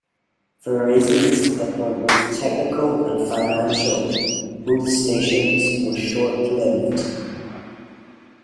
For reasons that were both technical and financial, both stations were short-lived.